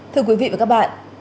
thưa quý vị và các bạn